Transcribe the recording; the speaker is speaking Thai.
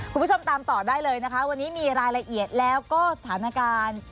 คุณผู้ชมตามต่อได้เลยนะคะวันนี้มีรายละเอียดแล้วก็สถานการณ์